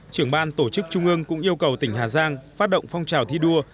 trưởng ban tổ chức trung ương cũng yêu cầu tỉnh hà giang phát động phong trào thi đua